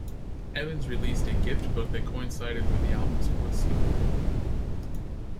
Evans released a gift book that coincided with the album's fourth single.